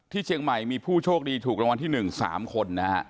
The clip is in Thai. เชียงใหม่มีผู้โชคดีถูกรางวัลที่๑๓คนนะฮะ